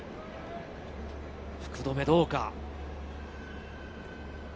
福留、どうか？